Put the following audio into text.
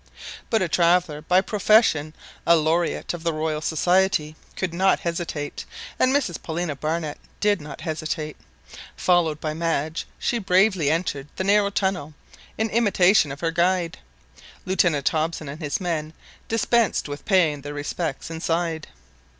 But a traveller by profession, a laureate of the Royal Society, could not hesitate, and Mrs Paulina Barnett did not hesitate! Followed by Madge, she bravely entered the narrow tunnel in imitation of her guide. Lieutenant Hobson and his men dispensed with paying their respects inside.